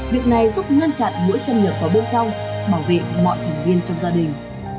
việc này giúp ngăn chặn mũi xâm nhập vào bên trong bảo vệ mọi thành viên trong gia đình